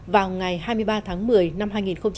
vào ngày hai mươi ba tháng một mươi năm hai nghìn một mươi chín